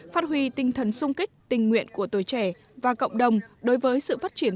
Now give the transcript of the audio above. phát huy tinh thần sung kích tình nguyện của tuổi trẻ và cộng đồng đối với sự phát triển